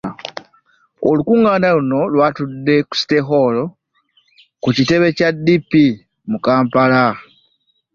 Okukungaana luno lwatudde ku City House ku kitebe Kya DP mu Kampala